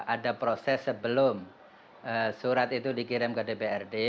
ada proses sebelum surat itu dikirim ke dprd